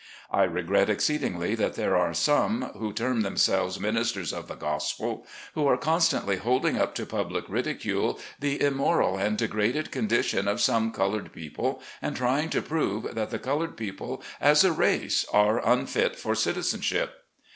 I regret exceedingly that there are some, who term themselves ministers of the Gospel, who are constantly holding up to public ridicule, the immoral and degraded condition of some colored people, and trying to prove that the colored people as a race are unfit for citizenship.